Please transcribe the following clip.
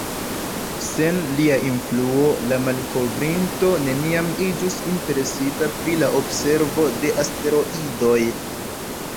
Sen lia influo, la malkovrinto neniam iĝus interesita pri la observo de asteroidoj.